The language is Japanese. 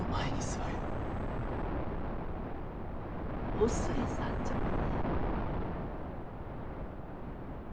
お寿恵さんじゃね。